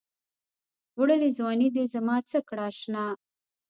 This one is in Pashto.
وړلې ځــواني دې زمـا څه کړه اشـنا